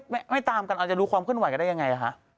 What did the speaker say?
ไม่ตามกันอาจจะรู้ความขึ้นไหวกันได้อย่างไร